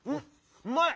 うまい！